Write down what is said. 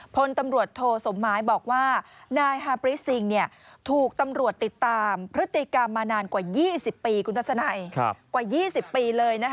พลตำรวจโทสมไม้บอกว่านายฮาร์ปริศิงค์ถูกตำรวจติดตามพฤติกรรมมานานกว่า๒๐ปี